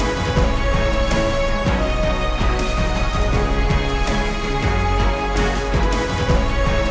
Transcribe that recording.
ภารกิจโดยนักรวมสร้างที่นาน๓โดยหมุนฝ่ายพื้นจลีน